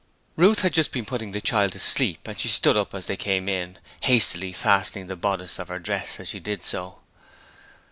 Ruth had just been putting the child to sleep and she stood up as they came in, hastily fastening the bodice of her dress as she did so.